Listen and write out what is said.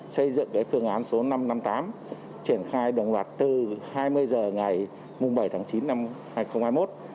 xây dựng phương án số năm trăm năm mươi tám triển khai đồng loạt từ hai mươi h ngày bảy tháng chín năm hai nghìn hai mươi một